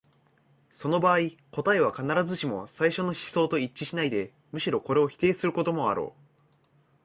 その場合、答えは必ずしも最初の思想と一致しないで、むしろこれを否定することもあろう。